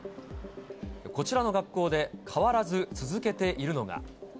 こちらの学校で変わらず続けているのが。